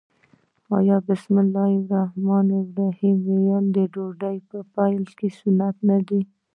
آیا بسم الله ویل د ډوډۍ په پیل کې سنت نه دي؟